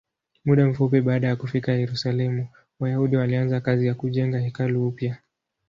Muda mfupi baada ya kufika Yerusalemu, Wayahudi walianza kazi ya kujenga hekalu upya.